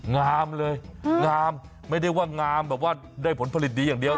งามเลยงามไม่ได้ว่างามแบบว่าได้ผลผลิตดีอย่างเดียว